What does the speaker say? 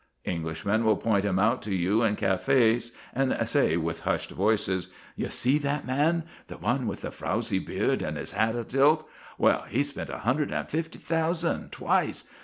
Englishmen will point him out to you in cafés, and say with hushed voices, "You see that man, the one with the frowsy beard and his hat atilt well, he spent a hundred and fifty thousand twice!